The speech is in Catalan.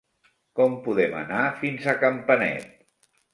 Com podem anar fins a Campanet?